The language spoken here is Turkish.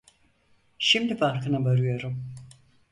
Şimdi farkına varıyorum…